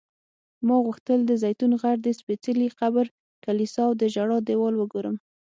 ما غوښتل د زیتون غر، د سپېڅلي قبر کلیسا او د ژړا دیوال وګورم.